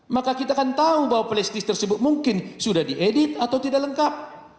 maka kita akan tahu bahwa flash disk tersebut mungkin sudah diedit atau tidak lengkap